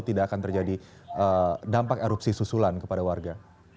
tidak akan terjadi dampak erupsi susulan kepada warga